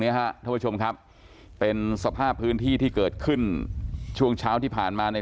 ฮะท่านผู้ชมครับเป็นสภาพพื้นที่ที่เกิดขึ้นช่วงเช้าที่ผ่านมาใน